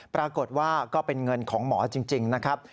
ปรากฏว่าก็เป็นเงินของหมอจริงนะครับ